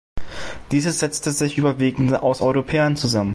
Dieses setzte sich überwiegend aus Europäern zusammen.